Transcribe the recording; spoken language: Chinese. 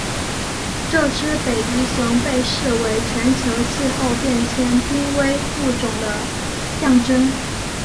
这只北极熊被视为全球气候变迁濒危物种的象征。